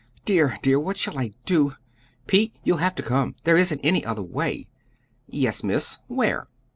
"Dear, dear, what shall I do! Pete, you'll have to come. There isn't any other way!" "Yes, Miss; where?"